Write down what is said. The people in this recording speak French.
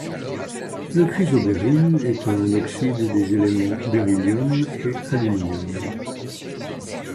Le chrysobéryl est un oxyde des éléments béryllium et aluminium.